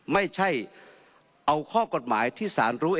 ไม่ใช่เอากฎหมายที่ศาลรู้เอง